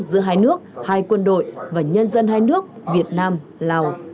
giữa hai nước hai quân đội và nhân dân hai nước việt nam lào